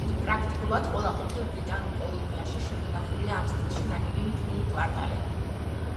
პრაქტიკულად ყველა ყოფილ ბრიტანულ კოლონიაში შემონახულია ამ სტილში ნაგები მთელი კვარტალები.